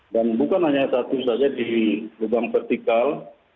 dan bukan hanya satu saja di lubang vertikal